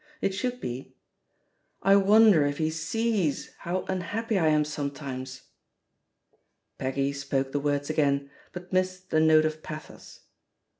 It should be 'I wonder if he sees how unhappy I am sometimes.' " Peggy spoke the words again, but missed the note of pathos.